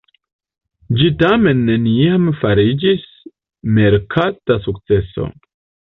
Ĝi tamen neniam fariĝis merkata sukceso.